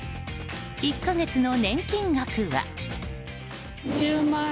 １か月の年金額は。